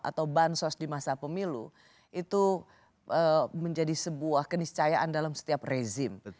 atau bansos di masa pemilu itu menjadi sebuah keniscayaan dalam setiap rezim